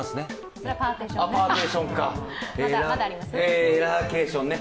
それはパーティションね。